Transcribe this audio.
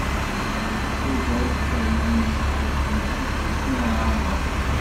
Tubal-Kayin isɛa weltma-s, isem-is Naɛama.